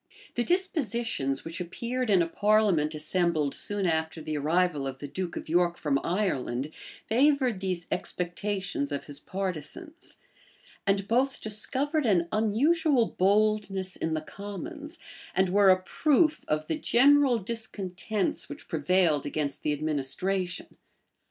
{1451.} The dispositions which appeared in a parliament assembled soon after the arrival of the duke of York from Ireland, favored these expectations of his partisans, and both discovered an unusual boldness in the commons, and were a proof of the general discontents which prevailed against the administration.